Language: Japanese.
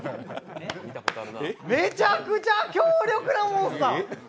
めちゃくちゃ強力なモンスター。